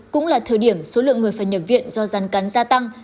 cũng là thời điểm số lượng người phải nhập viện do rắn cắn gia tăng